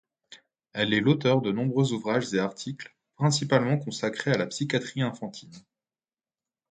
Elle est l'auteur de nombreux ouvrages et articles, principalement consacrés à la psychiatrie enfantine.